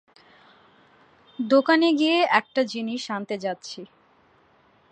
দোকানে গিয়ে একটা জিনিস আনতে যাচ্ছি।